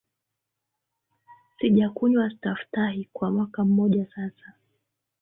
Sijakunywa staftahi kwa mwaka mmoja sasa